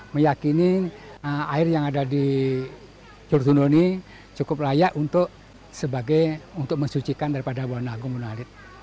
meyakini air yang ada di jolotundo ini cukup layak untuk mensucikan daripada buana agung buana alit